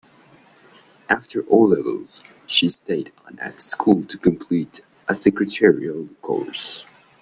After O-levels she stayed on at school to complete a secretarial course.